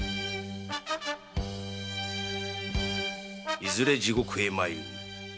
いずれ地獄へ参る身。